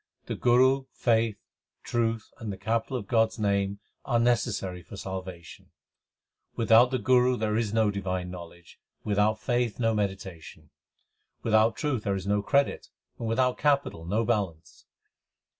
The Guru, faith, truth, and the capital of God s name are necessary for salvation : Without the Guru there is no divine knowledge, without faith no meditation ; Without truth there is no credit, and without capital no balance.